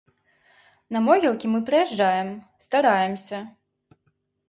На могілкі мы прыязджаем, стараемся.